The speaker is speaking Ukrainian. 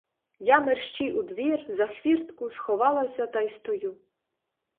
Я мерщій у двір, за хвіртку сховалася та й стою.